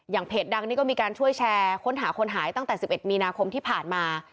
เพจดังนี่ก็มีการช่วยแชร์ค้นหาคนหายตั้งแต่๑๑มีนาคมที่ผ่านมา